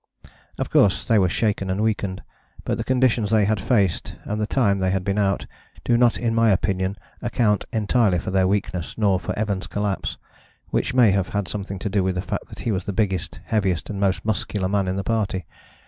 Of course they were shaken and weakened. But the conditions they had faced, and the time they had been out, do not in my opinion account entirely for their weakness nor for Evans' collapse, which may have had something to do with the fact that he was the biggest, heaviest and most muscular man in the party.